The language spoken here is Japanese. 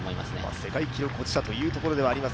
世界記録保持者というところではあります